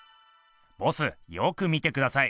ボスよく見てください。